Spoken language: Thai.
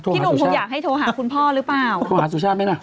หนุ่มคงอยากให้โทรหาคุณพ่อหรือเปล่าโทรหาสุชาติไหมล่ะ